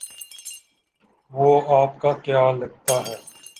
وہ آپ کا کیا لگتا ہے؟